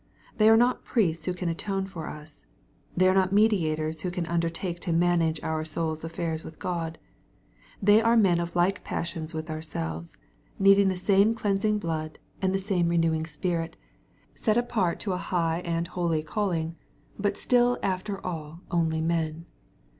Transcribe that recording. They are not priests who can atone for us. They are not mediators who can undertake to manage our soul's affairs with God, They are m^ of like passions with ourselves, needing the same cleansing blood, and the same renewing Spirit| 800 EXPOSITOBT THOUGHTS. Bet apart to a high and holy calling, but still ufltei all only men.